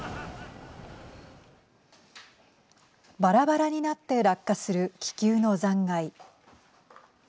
ばらばらになって落下する気球の残骸。